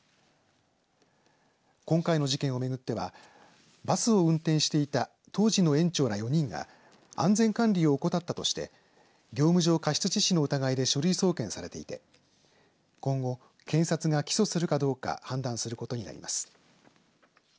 今回の事件を巡ってはバスを運転していた当時の園長ら４人が安全管理を怠ったとして業務上過失致死の疑いで書類送検されていて今後検察が起訴するかどうか判断することになります。